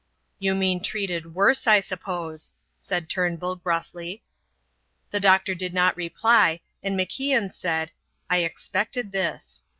"You mean treated worse, I suppose," said Turnbull, gruffly. The doctor did not reply, and MacIan said: "I expected this."